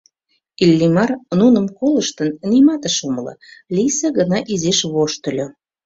Иллимар, нуным колыштын, нимат ыш умыло, Лийса гына изиш воштыльо.